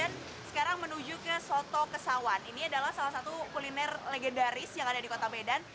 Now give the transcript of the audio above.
sekarang menuju ke soto kesawan ini adalah salah satu kuliner legendaris yang ada di kota medan